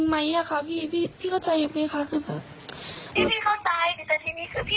แล้วน้องเขาก็จะถอดแจ้งความให้